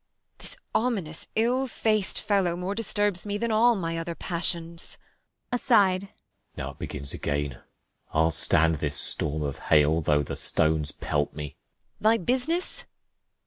— This ominous ill fac'd fellow more disturbs me Than all my other passions. De F. [aside.] Now't begins again ; I'll stand this storm of hail though the stones pelt me. 55 Bea. Thy business